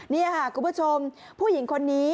นี่ค่ะคุณผู้ชมผู้หญิงคนนี้